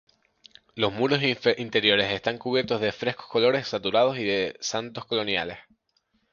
Los muros interiores están cubiertos de frescos colores saturados y de santos coloniales.